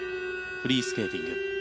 フリースケーティング。